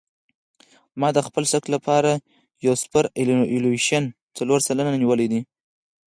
ما د خپل سرک لپاره سوپرایلیویشن څلور سلنه نیولی دی